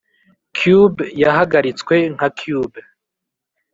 cube yahagaritswe nka cube;